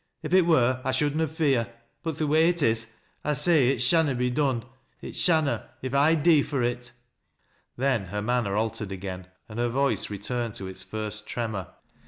If it wur, I should na fear — but th' way i1 is, I say it shanna be done — it shanna, if I dee fur it !" Then her manner altered again, and her voice returned to its first tremor.